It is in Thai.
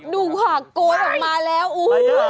ดูค่ะโกนออกมาแล้วอุ้ย